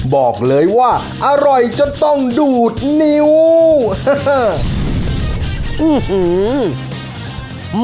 บอกเลยว่าอร่อยจนต้องดูดนิ้ว